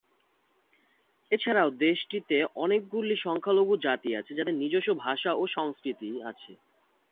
এছাড়াও দেশটিতে অনেকগুলি সংখ্যালঘু জাতি আছে, যাদের নিজস্ব ভাষা ও সংস্কৃতি আছে।